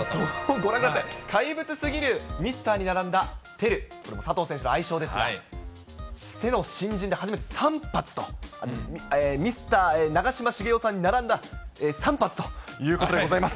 ご覧ください、怪物すぎるミスターに並んだ輝、佐藤選手の愛称ですが、新人で初めて３発と、ミスター長嶋茂雄さんに並んだ３発ということでございます。